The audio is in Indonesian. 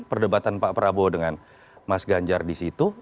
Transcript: perdebatan pak prabowo dengan mas ganjar disitu